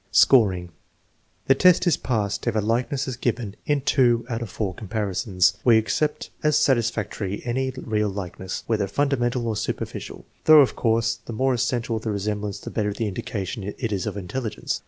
Scoring. The test is passed if a likeness is given in two out, of four comparisons. We accept as satisfactory any real likeness, whether fundamental or superficial, though, of TEST NO. VHI, 4 219 course, the more essential the resemblance, the better indica tion it is of intelligence.